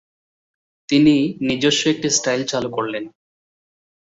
তিনি নিজস্ব একটি স্টাইল চালু করলেন।